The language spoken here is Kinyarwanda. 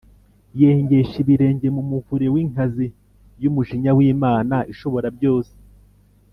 Yengesha ibirenge mu muvure w’inkazi y’umujinya w’Imana Ishoborabyose.